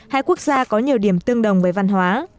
hai quốc gia có nhiều điểm tương đồng với văn hóa